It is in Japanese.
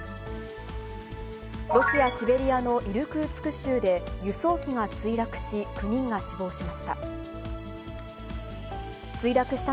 ロシア・シベリアのイルクーツク州で輸送機が墜落し、９人が死亡しました。